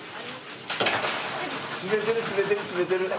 締めてる締めてる締めてる。